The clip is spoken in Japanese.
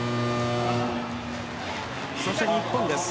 そして日本です。